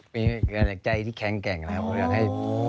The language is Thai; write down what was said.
มีพลังใจที่แข็งแหละ